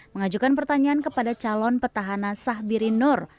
mengajukan pertanyaan kepada calon petahana sahbirin nur